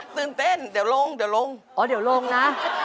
ตื่นเต้นเดี๋ยวลงเดี๋ยวลงอ๋อเดี๋ยวลงนะ